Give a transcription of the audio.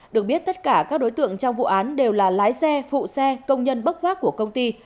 được biết tất cả các đối tượng trong vụ án đều là lái xe phụ xe công nhân bốc vác của công ty